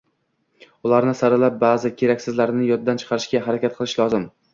Ularni saralab, ba`zi keraksizlarini yoddan chiqarishga harakat qilish lozim